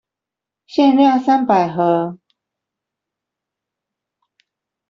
限量三百盒